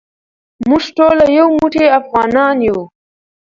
موږ ټول یو موټی افغانان یو.